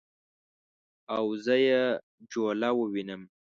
او زه یې جوله ووینم